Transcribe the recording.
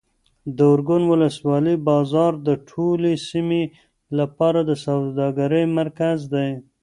د ارګون ولسوالۍ بازار د ټولې سیمې لپاره د سوداګرۍ مرکز دی.